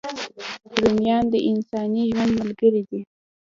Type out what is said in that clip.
رومیان د انساني ژوند ملګري دي